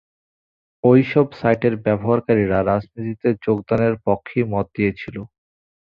ওই সব সাইটের ব্যবহারকারীরা রাজনীতিতে যোগদানের পক্ষেই মত দিয়েছিল।